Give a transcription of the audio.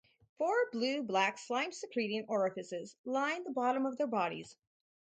Four blue-black slime-secreting orifices line the bottom of their bodies.